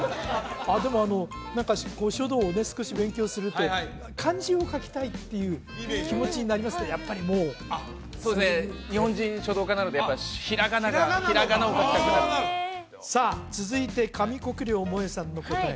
あっでも書道を少し勉強すると漢字を書きたいっていう気持ちになりますがやっぱりもうそうですね日本人書道家なのでやっぱりひらがながひらがなを書きたくなるさあ続いて上國料萌衣さんの答え